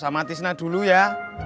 sama tisna dulu ya